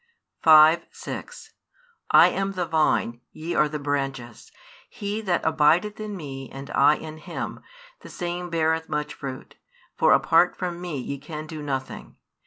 5, 6 I am the Vine, ye are the brandies: he that abideth in Me and I in him, the same beareth much fruit: for apart from Me ye can do nothing.